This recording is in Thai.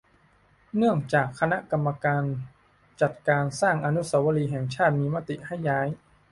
เนื่องจากคณะกรรมการจัดสร้างอนุสาวรีย์แห่งชาติมีมติให้ย้าย